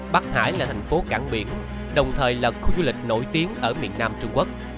bắc hải là thành phố cảng biển đồng thời là khu du lịch nổi tiếng ở miền nam trung quốc